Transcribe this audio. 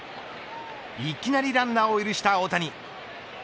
いきなりランナーを許した大谷。